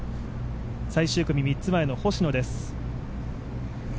最終組３つ前の星野です。